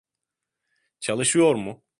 Çalışıyor mu?